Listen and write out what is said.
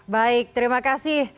baik terima kasih